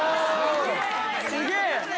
すげえ！